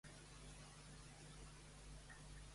Quan tinc gana em rugeixen els budells